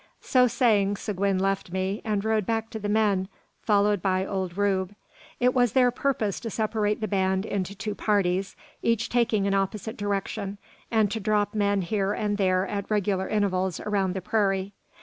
So saying, Seguin left me, and rode back to the men, followed by old Rube. It was their purpose to separate the band into two parties, each taking an opposite direction, and to drop men here and there at regular intervals around the prairie.